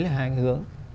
thực tế hai hướng